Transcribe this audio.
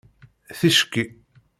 Ticki